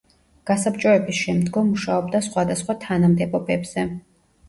გასაბჭოების შემდგომ მუშაობდა სხვადასხვა თანამდებობებზე.